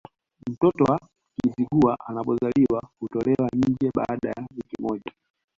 Mtoto wa Kizigua anapozaliwa hutolewa nje baada ya wiki moja